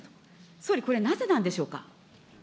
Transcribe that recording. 総理、これはなぜなんでしょうか。